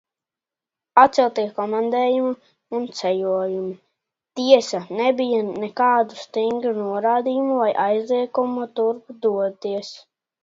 Atceltie komandējumi un ceļojumi. Tiesa, nebija nekādu stingru norādījumu vai aizliegumu turp doties.